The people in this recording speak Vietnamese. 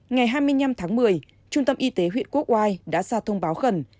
ngày hai mươi năm tháng một mươi trung tâm y tế huyện quốc ngoài đã ra thông báo gần